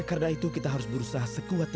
adilah buku t